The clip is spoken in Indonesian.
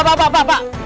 nah pak pak pak pak